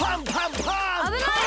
あぶない！